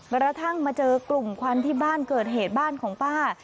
กระทั่งมาเจอกลุ่มควันที่บ้านเกิดเหตุบ้านของป้า